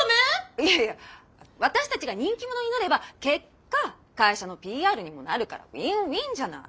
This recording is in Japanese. いやいや私たちが人気者になれば結果会社のＰＲにもなるからＷｉｎ−Ｗｉｎじゃない？